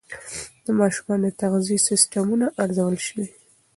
د ماشومانو د تغذیې سیستمونه ارزول شوي.